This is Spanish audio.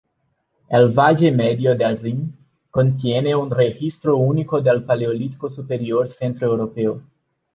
El valle medio del Rin contiene un registro único del Paleolítico Superior centroeuropeo.